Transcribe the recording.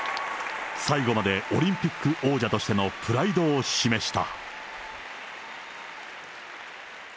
最後までオリンピック王者としてのプライドを示した。